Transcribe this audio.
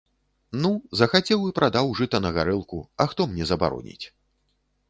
Ну, захацеў і прадаў жыта на гарэлку, а хто мне забароніць?